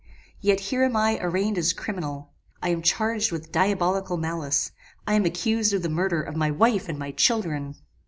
yet here am I arraigned as criminal. I am charged with diabolical malice; I am accused of the murder of my wife and my children!